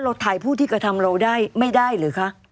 เราถ่ายผู้ธิกฎรรมเราได้ไม่ได้หรือคะ